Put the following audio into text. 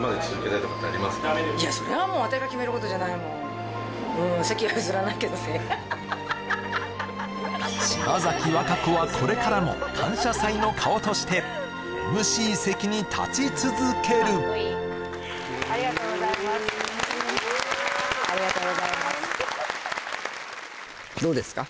いやそれはもうハッハッハ島崎和歌子はこれからも「感謝祭」の顔としてＭＣ席に立ち続けるありがとうございますありがとうございますどうですか？